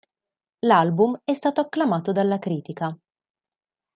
L'album è stato acclamato dalla critica.